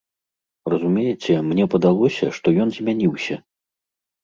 Разумееце, мне падалося, што ён змяніўся.